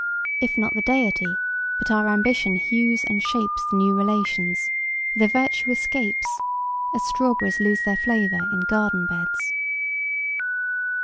If not the Deity but our ambition hews and shapes the new relations, their virtue escapes, as strawberries lose their flavor in garden beds.